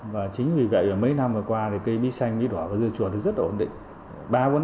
và chính vì vậy mấy năm qua cây bí xanh bí đỏ và dưa chuột rất là ổn định